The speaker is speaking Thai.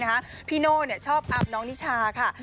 โดยเฉพาะพี่โนะเนี่ยชอบอับน้องนิชาค่ะ